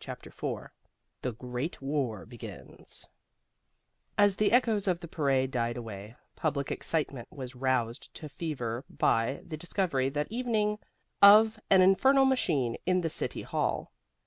CHAPTER IV THE GREAT WAR BEGINS As the echoes of the parade died away, public excitement was roused to fever by the discovery that evening of an infernal machine in the City Hall.